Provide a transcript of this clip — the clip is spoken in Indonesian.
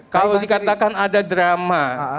kalau dikatakan ada drama